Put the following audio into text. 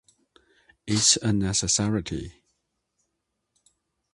It is a necessity.